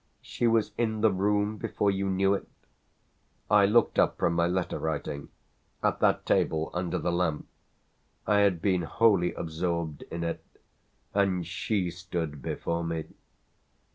She was in the room before you knew it?" "I looked up from my letter writing at that table under the lamp, I had been wholly absorbed in it and she stood before me."